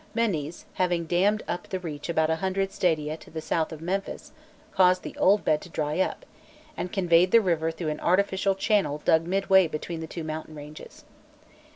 Menés, having dammed up the reach about a hundred stadia to the south of Memphis, caused the old bed to dry up, and conveyed the river through an artificial channel dug midway between the two mountain ranges.